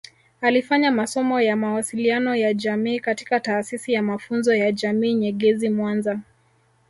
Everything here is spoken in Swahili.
Alifanya masomo ya mawasiliano ya jamii katika Taasisi ya mafunzo ya jamii Nyegezi mwanza